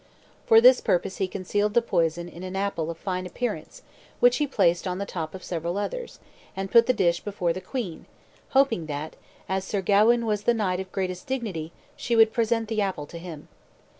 For this purpose he concealed the poison in an apple of fine appearance, which he placed on the top of several others, and put the dish before the queen, hoping that, as Sir Gawain was the knight of greatest dignity, she would present the apple to him.